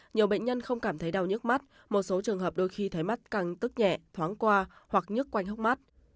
nhiều bệnh nhân không cảm thấy đau nhức mắt một số trường hợp đôi khi thấy mắt càng tức nhẹ thoáng qua hoặc nhức quanh hốc mắt